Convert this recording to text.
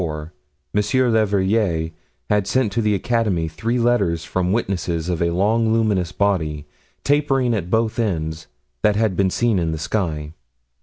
Leverrier had sent to the Academy three letters from witnesses of a long luminous body, tapering at both ends, that had been seen in the sky.